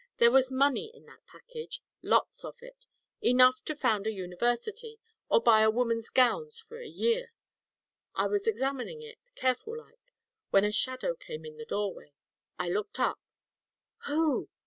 There was money in that package. Lots of it. Enough to found a university, or buy a woman's gowns for a year. I was examining it careful like when a shadow came in the doorway. I looked up " "Who?"